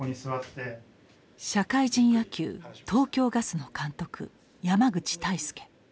社会人野球東京ガスの監督山口太輔。